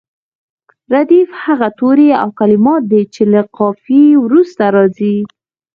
ردیف هغه توري او کلمات دي چې له قافیې وروسته راځي.